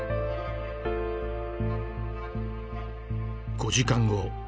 ５時間後。